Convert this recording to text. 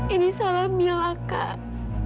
ini salah mila kak